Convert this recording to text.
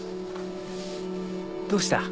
どうした？